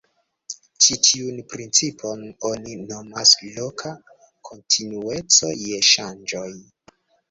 Ĉi tiun principon oni nomas "loka kontinueco je ŝanĝoj".